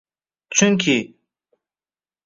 Chunki: